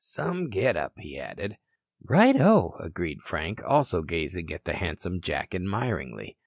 Some get up," he added. "Righto," agreed Frank, also gazing at the handsome Jack admiringly.